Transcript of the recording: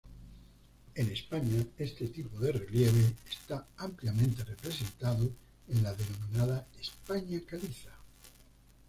En España este tipo de relieve está ampliamente representado en la denominada España caliza.